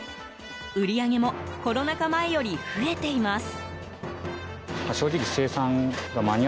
売り上げもコロナ禍前より増えています。